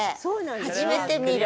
初めて見る。